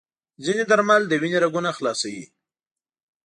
ځینې درمل د وینې رګونه خلاصوي.